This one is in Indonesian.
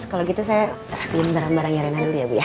kalau gitu saya minum barang barangnya renah dulu ya bu ya